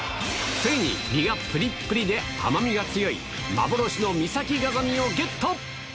ついに身がぷりっぷりで甘みが強い、幻の岬ガザミをゲット。